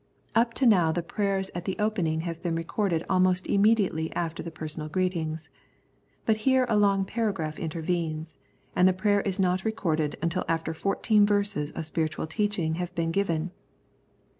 Up to now the prayers at the opening have been recorded almost immediately after the personal greetings. But here a long paragraph intervenes, and the prayer is not recorded until after fourteen verses full of spiritual teaching have been given.